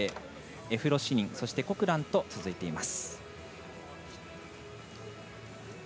エフロシニンコクランと続いています。